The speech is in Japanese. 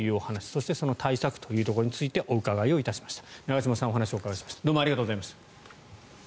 そしてその対策というところについてお伺いしました。